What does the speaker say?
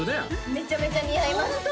めちゃめちゃ似合いますホント？